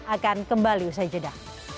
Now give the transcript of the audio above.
akan kembali usai jeda